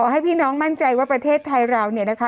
ให้พี่น้องมั่นใจว่าประเทศไทยเราเนี่ยนะคะ